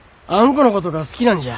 このことが好きなんじゃ。